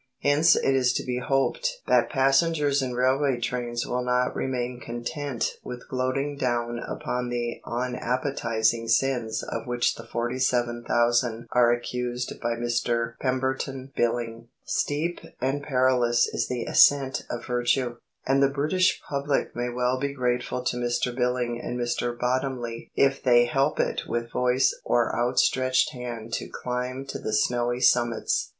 Hence it is to be hoped that passengers in railway trains will not remain content with gloating down upon the unappetising sins of which the forty seven thousand are accused by Mr Pemberton Billing. Steep and perilous is the ascent of virtue, and the British public may well be grateful to Mr Billing and Mr Bottomley if they help it with voice or outstretched hand to climb to the snowy summits.